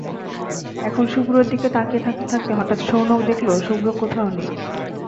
এখন শুভ্রর দিকে তাকিয়ে থাকতে থাকতে হঠাত্ শৌনক দেখল, শুভ্র কোথাও নেই।